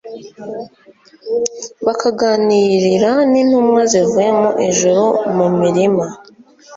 bakaganirira n' intumwa zivuye mu ijuru mu mirima,